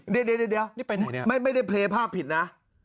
เดี๋ยวเดี๋ยวเดี๋ยวไม่ได้เพลงภาพผิดนะ